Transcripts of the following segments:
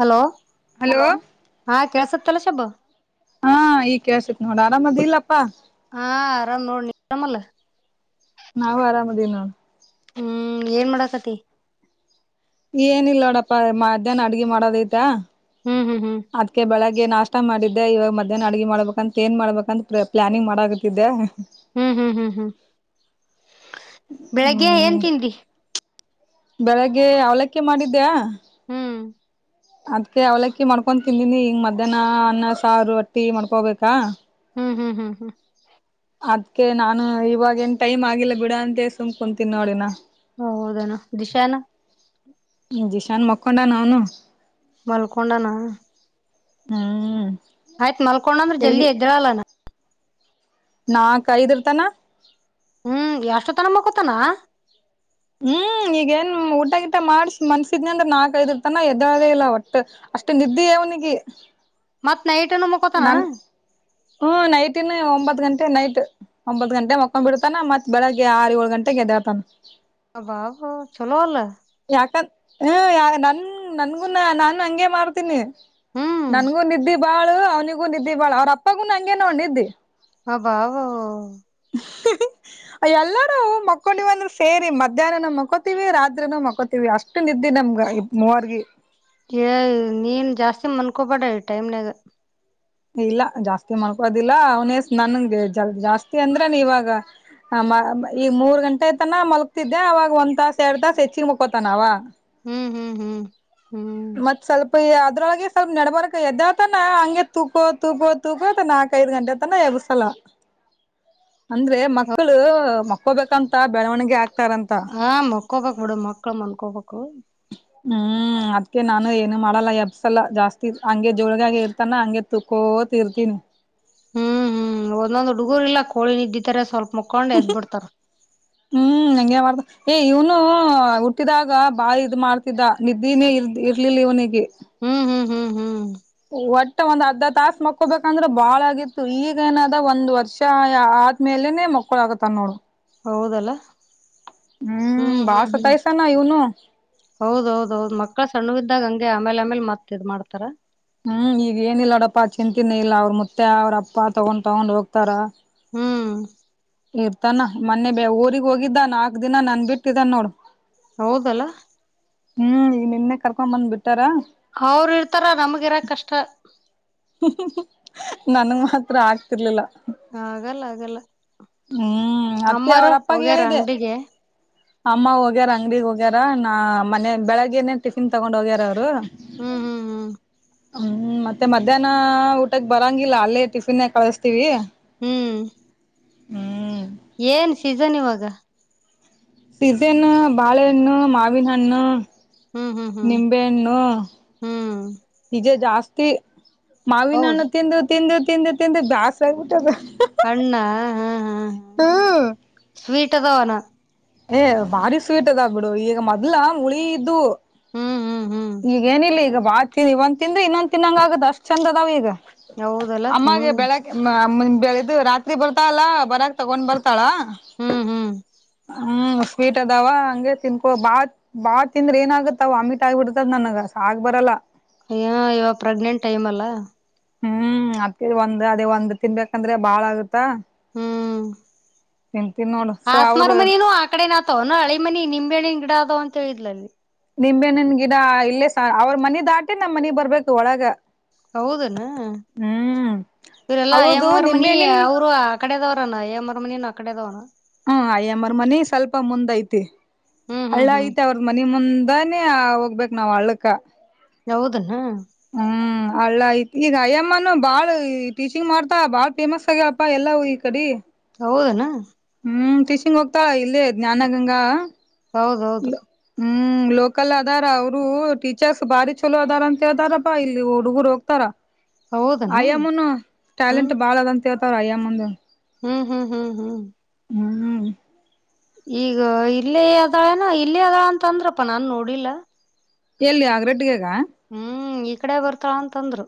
Hello hello. ಹಾ ಕೆಳಸುತ್ತಲ್ಲ ಶಬ್ಬು. ಹಾ ಈ ಕೇಳ್ಸಿತ್ ನೋಡ ಆರಾಮದ್ ಇಲ್ಲಪ್ಪಾ [unintelligible] ಹಾ ಆರಾಮ್ ನೋಡ್ನ ನೀ ಆರಾಮಲ್ಲ ನಾವು ಆರಾಮ ಇದೀವಿ ನೋಡು ಹ್ಮ್ ಏನ್ ಮಾಡಕತಿ ಏನೀಲ್ಲ ನೋಡಪ್ಪ ಮಧ್ಯಾಹ್ನ ಅಡಿಗಿ ಮಾಡೋದೈತ ಹ್ಮ್ ಹ್ಮ್ ಹ್ಮ್ ಅದ್ಕ್ಕೆ ಬೆಳಗ್ಗೆ ನಾಷ್ಟ ಮಾಡಿದ್ದೆ ಇವಾಗ ಮಧ್ಯಾಹ್ನ ಅಡ್ಗೆ ಮಾಡ್ಬೇಕಂತ ಏನ್ ಮಾಡ್ಬೇಕಂತ ಪ್ಲಾನಿಂಗ್ ಮಾಡಕತಿದ್ದೆ ಹ್ಮ್ ಹ್ಮ್ ಹ್ಮ್ ಹ್ಮ್ ಬೆಳಗ್ಗೆ ಏನ್ ತಿಂದ್ರಿ ಬೆಳಗ್ಗೇ ಅವಲಕ್ಕಿ ಮಾಡಿದ್ದೆ ಹ್ಮ್ [unintelligible] ಅದ್ಕೆಅವ್ಲಕ್ಕಿ ಮಾಡ್ಕೊಂಡು ತಿಂದೀನಿ ಹೀಗೆ ಮಧ್ಯಾಹ್ನ ಅನ್ನ ಸಾರು ರೊಟ್ಟಿ ಮಾಡ್ಕೊಬೇಕಾ- ಹ್ಮ್ ಹ್ಮ್ ಹ್ಮ್ ಹ್ಮ್ ಅದ್ಕೆ ನಾನು ಇವಾಗ ಏನ್ ಟೈಮ್ ಆಗಿಲ್ಲ ಬಿಡಾ ಅಂತ ಸುಮ್ಕೊಂತೀನಿ ನೋಡಿನ ಇನ ಹ ಹೌದನ ದಿಶಾನ ದಿಶಾನ್ ಮಕ್ಕೊಂಡ ಅವ್ನ ಮಲ್ಕೊಂಡನಾ ಹ್ಮ್ ಆಯ್ತತ್ಲ್ಕೋಂದ್ರ ಜದ ಎಲ್ಗಿ ಎದ್ರ ಅಲ್ಲಾ ನಾಕ ಐದರ್ತಾನ ಹ್ಮ್ ಎಷ್ಟು ತನ ಮುಕತನ ಹ್ಮ್ ಈಗೇನ್ ಊಟ ಗಿಟ ಮಾಡ್ಸ ಮನ್ಸಿದ್ನ ಅಂದ್ರೆ ನಾಕಐದರ್ ತನ ಎದದೇ ಇಲ್ಲ ಒಟ್ಟು ಅಷ್ಟೇ ನಿದ್ದೆೆಯ ಅವನಿಗೆ ಮತ್ ನೈಟ್ನ್ ಮುಕ್ಕೋತಾನ ಹ್ಮ ನೈಟನ ಒಂಬತ್ತು ಗಂಟೆ ನೈಟ್ ಒಂಬತ್ ಗಂಟೆ ಮಕೊಂಡ್ ಬಿಡ್ತಾನ ಮತ್ತತ್ ಬೆಳಗ್ಗೆ ಆರು ಏಳ್ ಗಂಟೆಗೆ ಎದ್ದೇಳತಾನ ಬಾಬಾ ಚಲವಲ್ಲ ಯಾಕಂದ ಹ ಯ ನನ್ ನನ್ಗುನ್ನ ನಾನನ್ ಹಂಗಗೆ ಮಾಡ್ತೀನಿ ಹ್ಮ್ ನನ್ಗೂ ನಿದ್ದಿ ಬಾಳು ಅವ್ನಿಗೂ ನಿದ್ದಿ ಬಾಳ ಅವ್ರ ಅಪ್ಪಗೂ ನಂಗೆ ನೋ ನಿದ್ದೆ ಹ ಬಾವವವ [unintelligible] ಹ [inaudible] ಎಲ್ಲರೂ ಮಕ್ಕೊಂಡಿವಂದ್ರರು ಸೇರಿ ಮಧ್ಯಾಹ್ನನು ಮಕೋತೀವಿ ರಾತ್ರಿನು ಮಕೋತೀವಿ ಅಷ್ಟ ಇಷ್ಟ ನ ಇದಿದ್ದೆ ನಮ್ಗ ಮೂವರ್ಗೆ ನೀನ್ ಜಾಸ್ತಿ ಮಲ್ಕೋಬೇಡ ಟೈಮ್ನಾಗ ಇಲ್ಲ ಜಾಸ್ತಿ ಮಾಡ್ಕೋದಿಲ್ಲ ಅವನ ನನ್ಗೆ ಜಲ್ ಜಾಸ್ತಿ ಅಂದ್ರೇನ ಇವಾಗ ಹ ಈ ಮೂರ್ ಗಂಟೆ ಆತಾನ ಮಲಗ್ತಿದ್ದೆ ಅವವಾಗ ಒಂದ್ ತಾಸ ಎರಡ್ ತಾಸಸ್ ಹೆಚ್ಚಿಗೆ ಮುಕ್ಕೋತಾನ ಅವ ಹ್ಮ್ ಮತ್ ಸ್ವಲ್ಪ ಅದ್ರೊಳಗೆ ಸ್ವಲ್ಪ ನೆಡಬಾರಕ್ ಎದ್ದತಾನ ಹಂಗೆ ತೂಕು ತೂಕು ತೂಕತ ನಾಕು ಐದು ಗಂಟೆ ತಾನ ಎಬ್ಬಿಸಲ್ಲ ಅಂದ್ರೆ ಮಕ್ಕಳು ಮಕ್ಕೋಬೇಕಂತ ಬೆಳವಣಿಗೆ ಆಗ್ತಾರಂತ ಹಾ ಮಕೋಬೇಕಕ್ ಬಿಡ ಮಕ್ಳ ಮನ್ಕೋಬೇಕು ಹ್ಮ್ ಅದ್ಕ ನಾನು ಏನು ಮಾಡಲ್ಲ ಎಬ್ಸಲ್ಲ ಜಾಸ್ತಿ ಹಂಗೆ ಜೋಳಗಾಗಿ ಇರ್ತಾನ ಹಂಗೆ ತುಕೋ ತೀರ್ತಿನು ಹ್ಮ್ ಹ್ಮ್ ಒಂದೊಂದ್ ಹುಡುಗೂರ್ ಇಲ್ಲ ಕೋಳಿ ನಿದಿತಾರೆ ಸ್ವಲ್ಪ ಮುಕ್ಕೊಂಡ್ ಎದ್ ಬಿಡ್ತಾರ ಹ್ಮ್ ಹಂಗಗೆ ಮಾಡಾರತ ಏ ಇವ್ನು ಹಟ್ಟಿದಾಗ ಬಾ ಇದ್ ಮಾಡ್ತ ನಿದ್ದನೇ ಇರ್ ಇರ್ಲಿಲ್ಲ ಇವನಿಗೆ ಹ್ಮ್ ಹ್ಮ್ ಹ್ಮ್ ಹ್ಮ್ ಒಟ್ಟೆ ಒಂದ್ ಅರ್ಧ ತಾಸ ಮಕ್ಕೊಬೇಕಂದ್ರೆ ಬಾಳಗತ್ತು ಈಗ ಏನದ ಒಂದ್ ವರ್ಷ ಮೇಲೇನೆ ಮಕ್ಕಳು ಆಗುತ್ತ ನೋಡು ಹೌದಲ್ಲ ಹ್ಮ್ ಬಾಳ ಹ್ಮ್ ಹ್ಮ್ ಸತಾಯ್ಸಾನ ಇವನು ಹೌದೌದು ಹೌದು ಮಕ್ಕಳ ಸಣ್ಣವಿದ್ದಾಗ ಹಂಗೆ ಆಮೇಲೆ ಆಮೇಲೆ ಮತ್ತ ಇದ್ ಮಾಡ್ತಾರ ಹ್ಮ್ ಈಗ ಏನ ಇಿಲ್ಲಾಡಪ್ಪಾ ಚಿಂತಿನೆ ಇಲ್ಲ ಅವ್ರ ಮುತ್ತೆ ಅವ್ರ ಅಪ್ಪಾ ತಗೊಂಡ್ ತಗೊಂಡ್ ಹೋಗ್ತಾರ ಹ್ಮ್ [inaudible] ಇರ್ತಾನ ಮೊೆ ಬ ಊರಿಗ್ ಹೋಗಿದ್ದ ನಾಲ್ಕ್ ದಿನ ನನ್ ಬಿಟ್ಟಿದ್ದ ನೋಡು ಹೋಗಲ್ಲ ಹ್ಮ್ ಈಗ ನಿನ್ನೆ ಕರ್ಕೊಂಡ್ ಬಂದ್ ಬಿಟ್ಟಾರ ಅವರು ಇರ್ತಾರ ನಮಗ ಇರ ಕಷ್ಟ ನನ್ ಮಾತ್ರ ಆಗ್ತಿರ್ಲಿಲ್ಲ ಆಗಲ್ಲ ಆಗಲ್ಲ ಹ್ಮ್ ಅದ್ಕೆ ಅಮ್ಮಾರ ಅವ್ರ ಅಪ್ಪಗೆ ಹೋಗ್ಯಾರ ಹೇಳಿದೆ ಅಂಗಡಿಗೆ ಅಮ್ಮ ಹೋಗ್ಯಾರ ಅಂಗಡಗ್ ಹೋಗ್ಯಾರ ನ ಮನೆ ಬೆಳಗ್ಗೆನೆ ಟಿಫಿನ್ ತಗೊಂಡ್ ಹೋಗ್ಯಾರ ಅವ್ರು ಹ್ಮ್ ಹ್ಮ್ ಹ್ಮ್ ಹ್ಮ್ ಮತ್ತೆ ಮತ್ತ [inaudible] ಮಧ್ಯಾಹ್ ಊಟಕ್ಕೆ ಬರಂಗಿಲ್ಲ ಅಲ್ಲೇ ಟಿಫಿನ್ ಕಳಸ್ತೀವಿ ಹ್ಮ್ ಹ್ಮ್ ಏನ್ ಸೀಸನ್ ಇವಾಗ ಸಿದ್ದೇನು ಬಾಳೆಹಣ್ಣ ಮಾವಿನಣ್ಣು ಹ್ಮ್ ಹ್ಮ್ ಹ್ಮ್ ನಿಂಬೆಹಣ್ಣು ಹ್ಮ್ ನಿಜ ಜಾಸ್ತಿ ಹೌದು ಮಾವಿನಣ್ಣು ತಿಂದು ತಿಂದು ತಿಂದು ತಿಂದು ಬ್ಯಾಸ ಆಗ್ಬಿಟ್ಟ ಅಣ್ಣ ಹ್ಮ ಹ ಹ ಸ್ವೀಟ್ದ ಅವಣ ಏ ಭಾರಿ ಸ್ವೀಟ್ದ ಆಾಗಬಿಡು ಈಗ ಮೊದ್ಲ ಮುಳ ಇದ್ದು ಹ್ಮ್ ಹ್ಮ್ ಹ್ಮ್ [inaudible] ಈಗ ಏನಿಲ್ಲ ಈಗ ಬಾತಿ ಇವಂದ್ ತಿಂದ್ರ ಇನ್ನೊಂದ್ ತಿನ್ನಂಗ ಆಗದ ಅಷ್ಟ್ ಚಂದ ಅದಾವ ಈಗ ಹೌದಲ್ಲ ಅಮ್ಮಗೆ ಹ್ಮ್ ಬೆಳಕ ಬೆಳ ರಾತ್ರಿ ಬರ್ತಾಲ್ಲಾ ಬರಕ್ ತಗೊಂಡ್ ಬರ್ತಾಳ ಹ್ಮ್ ಹ್ಮ್ ಹ್ಮ್ ಸ್ವೀಟ್ ಅದಾವ ಹಂಗೆ ತಿನ್ಕೊ ಬಾತ್ ಬಾಳ ತಿಂದ್ರ ಏನ ಆಗತ್ತ ಅವವು ಅಮಿಟ್ ಆಗಿಬ ಬಿಡ್ತದ ನನ್ಗ ಆಗ್ ಬರಲ್ಲ ಏ ಇವಾಗ ಪ್ರೆಗ್ನೆಂಟ್ ಟೈಮ್ ಅಲ್ಲಾ ಹ್ಮ್ ಅದ ಒಂದ್ ಅದೇ ಒಂದ್ ತಿನ್ಬೇಕಂದ್ರೆ ಬಾಳ ಆಗುತ್ತಾ ಹ್ಮ್ ತಿಂತಿನ್ನೋಡ್ ಆಸ್ಮಾರ್ ಮನನು ಆ ಕಡೆ ನಾತವ್ ನ ಹಳೆ ಮನಿ ನಿಮ್ಳಿ ಗಿಡ ಅದವ ಅಂತ ಹೇಳಿದ್ಲ ಅಲ್ಲಿ ನಿಂಬೆ್ಣನ್ ಗಿಡ ಇಲ್ಲೇ ಸ ಅವ್ರ ಮನೆ ದಾಟಿ ನಮ್ ಮನಿ ಬರ್ಬೇಕು ಒಳಗ ಹೌದನ ಹ್ಮ್ ಇವರೆಲ್ಲಾ ಅವ್ರದು ಮವರ್ ಮನಿ ನಿಂಬೆಹಣ್ಣಿನ್ ಅವರು ಅಕ್ಕಡೆದವರ ಅ ಎ ಮಮರಮನಿ ನ ಅಡೆದವರಾ ಹ್ಮ ಅಯ್ಯಮ್ಮರ್ ಮನಿ ಸ್ವಲ್ಪ ಮುಂದ್ ಐತಿ ಹ್ಮ್ ಹಳ್ಳ ಹ್ಮ್ ಹ್ಮ್ ಐತೆ ಅವ್ರ ಮನ ಮುಂದಾನೇ ಹೋಗ್ಬೇಕೇಕ್ ನಾವ್ ಹಳ್ಕ್ಕ ಯೌದನಾ ಹ್ಮ ಅಳ್ಳಯತ್ ಈಗ ಅಯ್ಯಮ್ಮನು ಬಾಳ ಟೀಚಿಂಗ್ ಮಾಡ್ತಾ ಬಾಳ್ ಫೇಮಸ್ ಆಗ್ಯಪ್ಪಾ ಎಲ್ಲ ಈ ಕಡೆ ಹೌದನಾ ಹ್ಮ್ ಟೀಷಿಂಗ ಹೋಗಲ್ಲಳ ಇಲ್ಲದೆೇ ಜ್ಾನಗಂಗ ಹೌದೌದು ಹ್ಮ್ ಲೋಕಲ್ ಅದಾರ ಅವರು ಟೀಚರ್ಸ್ ಬಾರಿ ಚಲೋ ಅದಾರ ಅಂತೇಳ್ತಾರಪ್ಪಾ ಇಲ್ಲಿ ಹುಡುಗರು ಹೋಗ್ತಾರ ಹೌದನ ಅಯ್ಯಮ್ಮನು ಹ್ಮ್ ಟ್ಯಾಲೆಂಟ್ ಬಾಳ ಅದಂತ ಹೇಳ್ತವ್ರ ಅಯ್ಯಮ್ಮನ್ ಹ್ಮ್ ಹ್ಮ್ ಹ್ಮ್ ಹ್ಮ್ ಹ್ಮ್ ಈಗ ಇಲ್ಲಿ ಅದಾಳಏನ ಇಲ್ಲಿ ಅದಾಳ ಅಂತ ಅಂದ್ರಪ್ಪ ನಾನನ್ ನೋಡಿಲ್ಲ ಎಲ್ಲಿ ಆಗ್ರಡ್ಗಗ ಹ್ಮ್ ಈ ಕಡೆ ಬರ್ತಳ ಅಂತಂದ್ರು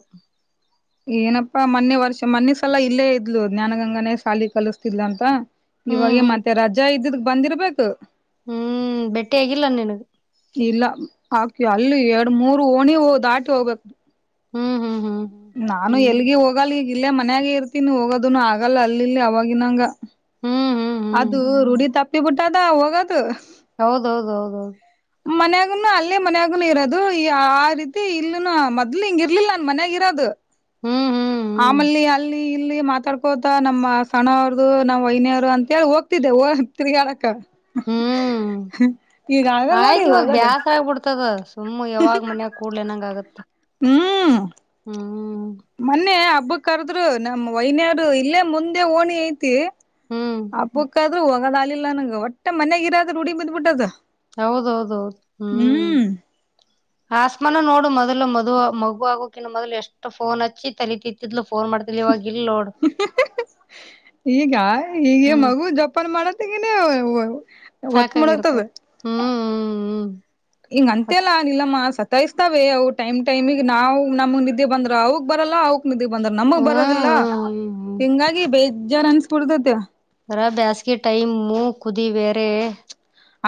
ಏನಪ್ಪಾ ಮೊನ್ನೆ ವರ್ಷ ಮೊನ್ನೆ ಸಲ ಇಲ್ಲೇ ಇದ್ಲು ಜ್ಞಾನಗಂಗನೇ ಸಾಲಿ ಕಲಿಸ್ತಿದ್ಲ ಅಂತ ಹ್ಮ್ ಇವಾಗ ಹ್ಮ್ ಮತ್ತೆ ರಜಾ ಇದ್ದದ ಬಂದಿರ್ಬೇಕು ಹ್ಮ್ ಬೆಟ್ಟಿ ಆಗಿಲ್ಲ ನಿನಗೆ ಇಲ್ಲ ಹಾಕಿ ಅಲ್ಲಿ ಎರಡು ಮೂರು ಓಣಿ ದಾಟಿ ಹೋಗ್ಬೇಕು ಹ್ಮ್ ಹ್ಮ್ ಹ್ಮ್ ಹ್ಮ್ ನಾನು ಹ್ಮ್ ಎಲ್ಗ ಹೋಗಲ್ಲ ಈಗ ಇಲ್ಲೇ ಮನ್ಯಾಗೆ ಇರ್ತೀನಿ ಹೋಗೋದನು ಆಗಲ್ಲ ಅಲ್ಲಿ ಇಲ್ಲಿ ಅವವಾಗಿನಂಗ ಹ್ಮ್ ಹ್ಮ್ ಹ್ಮ್ ಅದು ರೂಢ ತಪ್ಪ ತಪ್ಪಿಬೆಟ್ಟಾಡ್ ಬಿಟ್ಟದ ಹೋಗದು ಹೌದೌದ ಹೌದೌದು ಮನ್ಯಾಗನು ಅಲ್ಲೇ ಮನ್ಯಾಗನು ಇರೋದು ಆ ರೀತಿ ಇಲ್ಲನು ಅದ್ಲು ಹಿಂಗ ಇರ್ಲಿಲ್ಲ ನನ್ ಮನ್ಯಗ ಇರೋದು ಹ್ಮ್ ಹ್ಮ್ ಹ್ಮ್ ಆಮಲ್ಲಿ ಅಲ್ಲಿ ಇಲ್ಲಿ ಮಾತಾಡ್ಕೋತ ನಮ್ಮ ಸಣ ಅವ್ರದು ನಮ್ಮ್ ವಹನಿಯವರು ಅಂತ ಕ ಹೋಗ್ತಿದ್ದೆ ಹ ತಿಗಾರಕ್ಕ ಹ್ಮ್ ಈಗ ಆಗಲ್ಲ ನೋಡಿಗ ಹೋಗದು ದ ಸುಮ್ಮ್ ಯಾವಾಗ್ ಮನ್ಯಾಗ ಕೂಡ್ಲನಂಗ ಆಗತ್ತ ಹ್ಮ್ ಹ್ಮ್ ಮೊನ್ನೆ ಹಬ್ಬ ಕರ್ದ್ರು ನಮ್ ವೈನ್ಯರು ಇಲ್ಲೇ ಮುಂದೆ ಓಣಿ ಐತಿ ಹ್ಮ್ ಅಬಕ್ಕ ಆದ್ರೂ ಹೋಗದ ಆಲಿಲ್ಲ ನಂಂಗ ಒಟ್ಟೆ ಮನ್ಯಗಿರಾದ್ರರು ಉಡಿ ಬಂದ್ಬಿಟ್ಟದ ಹೌದೌದೌದು ಹ್ಮ್ [inaudible] ಆಸ್ಮಾನ ನೋಡು ಮೊದ್ಲು ಮದ ಮಗು ಆಗೋಕಿನ್ನು ಮೊದ್ಲು ಎಷ್ಟು ಫೋನ್ ಹಚ್ಚಿ ತಲ ತತ್ತಿದ್ಲು ಫೋನ್ ಮಾಡ್ತ ಈಗ ಈಗ ಹ್ಮ್ ಮಗು ಜಪ್ಪ ಮಾಡತ್ತೆಗೆ ಸಾಕಾಗಿರ್ತ ಹ್ಮ್ ಹ್ಮ್ ಹ್ಮ್ ಹಿಂಗ ಅಂತೆ ಅಲ್ಲಾ ನಿಲ್ಲಮ್ಮ ಸತಾಯಿಸ್ತಾವವೆ ಅವು ಟೈಮ್ ಟೈಮಿಗೆ ನಾವು ನಮ್ಗ್ ನಿದ್ದೆ ಬಂದ್ರ ಅವಕ್ ಬರಲ್ಲ ಅವಕ್ ಬಂದ್ರ ಹ್ಮ್ ನಮಗ್ ಬರೋದಿಲ್ಲ ಹ್ಮ್ ಹಿಂಗಾಗಿ ಬೇಜಾರ್ ಅನ್ಸ್ಕಡತತಿ ಅರ ಬೇಸ್ಗೆ ಟೈಮ ಕುದಿ ಬೇರೆ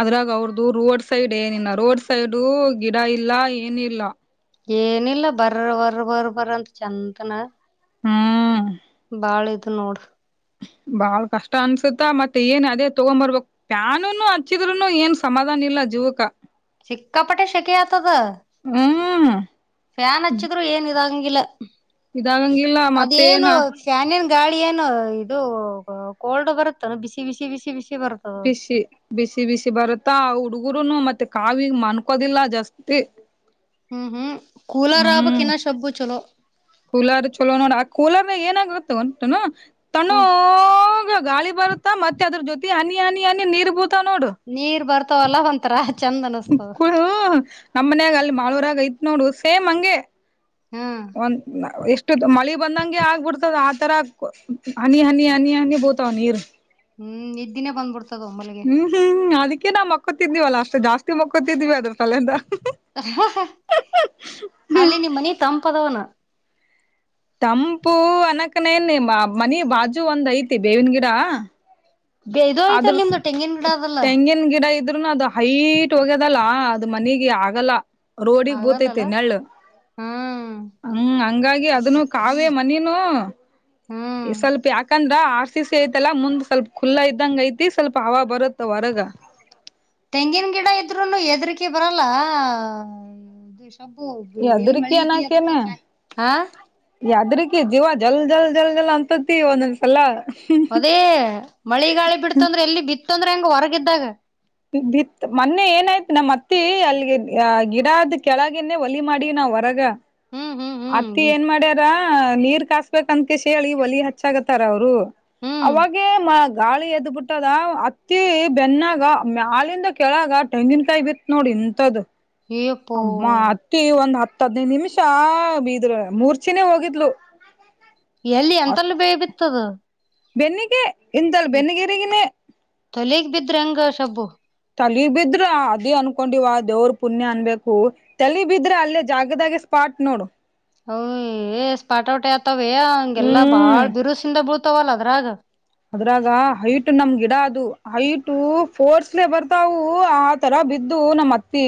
ಅದ್ರಾಗ ಅವ್ರದುು ರೋಡ್ ಸೈಡ್ ಏನಿಲ್ಲ ರೋಡ್ ಸೈಡ್ ಗಿಡ ಇಲ್ಲ ಏನ ಇಿಲ್ಲ ಏನಿಲ್ಲ ಬರ ಬರ ಬರ್ ಬರಂತ ಚಂತನ ಹ್ಮ ಬಾಳ ಇದು ನೋಡ ಬಾಳ್ ಕಷ್ಟ ಅನ್ಸುತ್ತಾ ಮತ್ತೆ ಏನ್ ಅದೇ ತಗೊಂಬರ್ಬಕ್ ಪ್ಯಾನುನು ಹಚ್ಚಿದ್ೂನು ಏನ್ ಸಮಾಧಾನ ಇಲ್ಲ ಜುವಕ ಚಿಕ್ಕಾಪಟ್ಟೆ ಶೆಖ ಆತದ ಹ್ಮ್ ಫ್ಯಾನ್ ಹಚ್ಚಿದ್ರು ಏನ್ ಇದಂಗಿಲ್ಲ ಇದಾಗಂಗಿಲ್ಲ ಮತ್ತೇನ ಅದೇನು ಶಾನನ್ ಗಾಳಿ ಏನು ಇದು ಕೋಲ್ಡ್ ಬರುತ್ತಾನ ಬಿಸಿ ಬಿಸಿ ಬಿಸಿ ಬಿಸಿ ಬರುತ್ತ ಬಿಸಿ ಬಿಸಿ ಬಿಸಿ ಬರುತ್ತಾ ಹುಡ್ಗರುನು ಮತ್ತೆ ಕಾವಿ ಮನ್ಕೋದಿಲ್ಲ ಜಾಸ್ತಿ ಹ್ಮ್ ಹ್ಮ್ ಕೂಲಾರ ಹ್ಮ್ ಆಬಕ್ಕೆನ್ನ ಶಬ್ಬು ಚಲೋ ಕೂಲರ್ ಚಲೋ ನೋಡ ಆ ಕೂಲರ್ ನಾಗ ಏನಾಗಿತ್ತ ಉಂಟುನು ತಣ ಹ್ಮ್ ಗಾಳಿ ಬರುತ್ತ ಮತ್ತೆ ಅದ್ರ ಜೊತೆ ಹನಿ ಹನಿ ಹನಿ ನೀರ್ ಬೂತ ನೋಡು ನೀರ್ ಬರ್ತವಲ್ಲ ಒ ತರ ಚಂದನ ಕುಡ ನಮ್ಮ್ನ್ಯಾಗ ಅಲ್ಲಿ ಮಾಡಲ್ವರಾಗ ಐತ್ ನೋಡ್ ಸೇಮ್ ಹಂಗೆ ಹ್ಮ್ ಒಂದ್ ಎಷ್ಟು ಮಳಿ ಬಂದಂಗೆ ಆಗ್ಬಿಡ್ತದ ಆತರ ಹನಿ ಹನಿ ಹನಿ ಹನಿ ಬ ತನಿ ಹ್ಮ್ ಇದ್ದಿನೇ ಬಂದ್ಬಿಡ್ತದ ಒಂಬಗೆ ಹ್ಮ್ ಹ್ಮ್ ಅದಕ್ಕೆ ನಾವು ಮಕ್ಕೊತಿದೀವಲ್ಲ ಅಷ್ಟ್ ಜಾಸ್ತಿ ಮಕ್ಕೊತಿದ್ವಿ ಅದ್ರ ತಲೆಯಿಂದ ಅಲ್ಲಿ ನಿಮ್ಮ ಮನ ತಂಪದವನು ತಂಪು ಅನಕ್ಕನೇನ್ ಮನಿ ಬಾಜು ಒಂದ್ ಐತಿ ಬೇವಿನ ಗಿಡಾ ಇದೋಯ್ತಲ್ಲ ನಿಮ್ದು ತೆಂಗಿನ ಗಿಡ ಅದಲ್ಲ ನ್ ಗಿಡ ಇದ್ರುನು ಅದು ಹೈಟ್ ಹೋಗ್ಯದಲ್ಲ ಅದು ಮನಗೆ ಆಗಲ್ಲ ರೋಡಿಗೆ ಬೂತೈತೆ ಆಗಲ್ಲಲ್ಲ ನೆಳ್ಳು ಹ್ಮ್ ಹ್ಮ್ ಹಂಗಾಗಿ ಅದನು ಕಾವೇ ಮನನುೂ ಹ್ಮ್ ಸ್ವಲ್ಪ ಯಾಕೆ ಯಾಕಂದ್ರ ಆರ್ ಸಿ ಸಿ ಐತಲ್ಲಾ ಮುಂದ್ ಸ್ವಲ್ಪ ಖುಲ್ಲಾ ಇದ್ದಂಗ ಐತಿ ಸ್ವಲ್ಪ ಹವ ಬರುತ್ತ ಹೊರಗ ತೆಂಗಿನ ಗಿಡ ಇದ್ರುನು ಎದ್ರಕೆ ಬರಲ್ಲದು ಸಬ್ಬು ಎಲ್ಲಿ ಯದ್ರಕಿ ಮಳಗ ಅದಕ್ಕ ಹ ಯದ್ರಕ ಜೀವ ಜಲ್ ಜಲ್ ಜಲ್ ಜಲ್ ಅಂತತಿ ಒಂದ ಅಲ್ಲ ಅದೇ ಮಳಿ ಗಾಳಿ ಬಿಡ್ತಂದ್ರೆ ಎಲ್ಲಿ ಬಿತ್ತಂದ್ರೆ ಹೆಂಗ ಹೊರಗಿದ್ದಾಗ ಬಿತ್ ಮೊನ್ನೆ ಏನಾಯ್ತ್ು ನಮ್ಮ್ ಅತ್ತಿ ಅಲ್ಲಿಗೆ ಗಿಡದ್ ಕೆಳಗನೆೇ ಒಲಿ ಮಾಡಿ ನಾವ್ ಹೊರಗ ಹ್ಮ್ ಹ್ಮ್ ಹ್ಮ್ ಅತ್ತಿ ಹ್ಮ್ ಏನ್ ಮಾಡ್ಯಾರ ನೀರ್ ಕಸ್ಬೇಕಕ್ ಅಂತಕೇಶ ಹೇಳಿ ಒಲಿ ಹಚ್ಚಾಗತ್ತಾರ ಅವ್ರು ಹ್ಮ್ ಅವಾಗೆ ಗಾಳಿ ಎದ್ಬ ಬಿಟ್ಟದ ಅತ್ತಿ ಬೆನ್ನಾಗ ಆಾಲಿಂದ ಕೆಳಗ ತೆಂಗಿನಕಾಯಿ ಬಿ ನೋಡಿ ಇಂತ್ದ ಅಯ್ಯಪ್ಪೋ ಅಮ್ಮ ಅಕ್ಕಿ ಒಂದ್ ಹತ್ತ ಹದನೈ ನಿಮಿಷ ಬಿದ್್ರ ಮೂರ್ಚಿನೇ ಹೋಗಿದ್ಲು ಎಲ್ಲಿ ಅಷ್ಟ ಎಂತಲ್ಲೂ ಬೇ ಬಿತ್ತದು ಬೆನ್ನಿಗೆ ಇಿಂದಲ್ ಬೆನ್ನಿಗರಿಗಿನೇ ತೊಲೆಗ್ ಬಿದ್ರೆ ಹಂಗ ಶಬ್ಬು ತಲಿ ಬಿದ್ರ ಅದೇ ಅನ್ಕೊಂಡಿವ ದೇವ್ರ ಪುಣ್ಯ ಅನ್ಬೇಕು ತಲೆ ಬಿದ್ರೆ ಅಲ್ಲೇ ಜಾಗದಾಗೆ ಸ್ಪಾಟ್ ನೋಡು ಸ್ಪಾಟ ಟಿ ಆತವ ಹಂಗೆಲ್ಲಾ ಹ್ಮ್ ಬಾಳ್ ಬಿರುಸಿಂದ ಬೀಳ್ತಾವಲ್ಲ ಅದ್ರಾಗ ಅದ್ರಾಗ ಹೈಟ್ ನಮ್ ಗಿಡ ಅದು ಹೈಟ ಫೋರ್ಸ್ಲೆೇ ಬರ್ತಾವು ತರ ಬಿದ್ದು ನಮ್ಮ್ ಅತ್ತಿ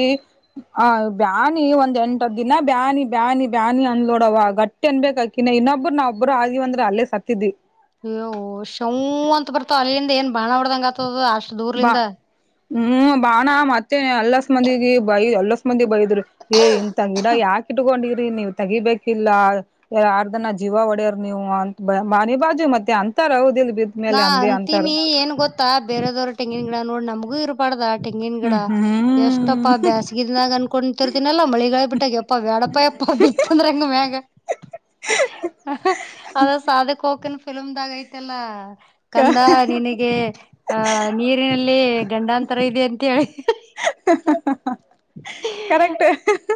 ಹ ಬ್ಯಾನಿ ಒಂದ್ ಎಂಟದ್ ದಿನ ಬ್ಯಾನಿ ಬ್ಯಾನಿ ಬ್ಯಾನಿ ಅಂದಲೋಡವ ಗಟ್ಟ ೇನ್ ಬಬೇಕಕ್ಾಕಿನ ಇನ್ನೊಬ್ಬ ನಾವವುಬ್ರು ಆ ಆದಿವವಂದೆ ಅಲ್ಲೇ ಸತ್ತಿದಿ ಯ ಶವ ಅಂತ ಬರ್ತಾವ ಅಲ್ಲಿಂದ ಏನ್ ಬಾಣ ಬಡ್ದಂಗ ಆತದ ಅಷ್ಟ ಬಾ ದೂರ್ಲಿಂದ ಹ್ಮ್ ಬಾಣ ಮತ್ತೆ ಎಲ್ಲಸ್ ಮಂದಿಿಗೆ ಬೈ ಎಲ್ಲಸ ಮಂದಿ ಬೈ ಏ ಇಂತ ಗಿಡ ಯಾಕ ಇಟ್ಕೊಂಡಿ್ರಿ ನೀವ್ ತೆಗಿಬೇಕಿಲ್ಲ ಆರ್ಧನ ಜೀವ ಹೊಡ್ಯರ್ ನೀವು ಅಂತ ಮನಿ ಬಾಜು ಮತ್ತೆ ಅಂತರ ಹದಿಲ್ಲ ಬ ನಾ ಅಂತೀಿನಿ ಏನ್ ಗೊತ್ತ ಬೇರೆದವ್್ರ ತೆಂಗಿನ ಗಿಡ ನೋಡಿ ನಮಗೂ ಇರ್ಬಾರ್ದ ತೆಂಗಿಿನ ಗಿಡ ಹ್ಮ್ ಎಷ್ಟಪ್ಪ ಹ್ಮ್ ಬೇಸ್ಗಿದಿನನಾಗ ಅನ್ಕೊಂತರ್ತನಲ್ಲ ಮಳಿಗಾ ಬಿಟ್ಟಾಗ ಎಪ್ಪಾ ಬ್ಯಾಡಪ್ಪ ಯಪ್ಪಾ ಬಿತ್ತಂದ್ರ ಹಂಗ ಮ್ಯ ಅದ ಸಾಧ ಕೋಕನ್ ಫಿಲಮ್ದಾಗ ಐತಲ್ಲ ಕಂದ ನಿನಗೆ ಆಹ ನೀರಿನಲ್ಲಿ ಗಂಡಾಂತರ ಇದೆ ಅಂತೇಳಿ ಕರೆಕ್ಟ್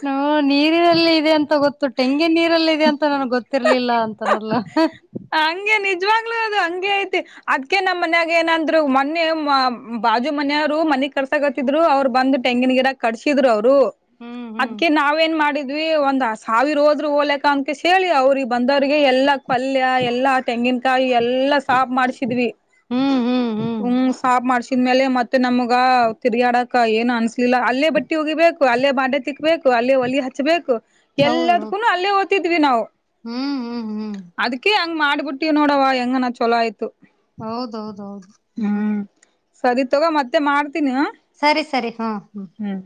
ಹ ನೀರಿನಲ್ಲಿ ಇದೆ ಅಂತ ಗೊತ್ತು ತೆಂಗಿನ ನೀರಲ್ಲಿ ಇದೆ ಅಂತ ನನ್ಗ್ ಗೊತ್ತು ತಿರ್ಲಿಲ್ಲ ಅಂತನಲ್ಲ ಹಂಗೆ ನಿಜವಾಗ್ಲೂ ಅದು ಹಂಗಗೆ ಐತಿ ಅದ್ಕ ನಮ್ಮ ಮನ್ಯಾಗ ಏನಂದ್ರು ಮೊನ್ನೆ ಬಾಜು ಮನೆಯವರು ಮನೆಗ್ ಕರ್ಸಕತ್ತಿದ್ರು ಅವ್ರು ಬಂದ ತೆಂಗಿನ ಗಿಡಕ್ ಕಟ್ಸಿದ್ರು ಅವರು ಹ್ಮ್ ಹ್ಮ್ ಅದ್ಕ ನಾವ ಏನ್ ಮಾಡಿದ್ವಿ ಒಂದ್ ಸಾವಿರ ಹೋದ್ರು ಓಲಕ್ ಕನ್ ಕ ಹೇಳಿ ಅವ್ರಿಗೆ ಬಂದವ್ರಿಗೆ ಎಲ್ಲಾ ಪಲ್ಯ ಎಲ್ಲಾ ತೆಂಗಿಿನ ಕಾಯಿ ಎಲ್ಲಾ ಸಾಫ ಮಾಡ್ಸಿದ್ವಿ ಹ್ಮ್ ಹ್ಮ್ ಹ್ಮ್ ಹ ಸಾಫ ಮಾಡ್ಸಿದ್ಮೇಲೆ ಮತ್ತೆ ಮ ನಮ್ಗ ತಿರುಗಾಡಕ ಏನ್ ಅನ್ಸ್ಲಿಲ್ಲ ಅಲ್ಲೇ ಬಟ್ಟಿ ಹೋಗಿಬೇಕು ಅಲ್ಲೇ ಬಾ ತಿಕ್ ಬೇಕು ಅಲ್ಲೇ ಒಲಿ ಹಚ್ಬೇಕು ಹೌದೌದು ಎಲ್ಲದ್ಕ್ಕೂನು ಅಲ್ಲೇ ಓದ್ತಿದ್ವಿ ನಾವು ಹ್ಮ್ ಹ್ಮ್ ಹ್ಮ್ ಅದ್ಕ ಹಂಗ ಮಾಡ್ಬಿಟ್ಟಿವ್ ನೋಡವ ಹೆಂಗನ ಚಲ ಆಯ್ತು ಹೌದೌದ ಹೌದು ಹ್ಮ್ ಸರಿ ತಗ ಮತ್ತೆ ಮಾಡ್ತೀನಿ ಸರಿ ಸರಿ ಹ ಹ್ಮ್ ಹ್ಮ್